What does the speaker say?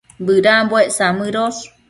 Bëdambuec samëdosh